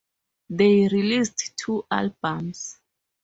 They released two albums.